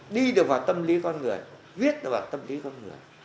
đi được vào tâm lý con người viết được vào tâm lý con người